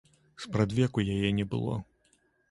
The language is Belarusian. Спрадвеку яе не было.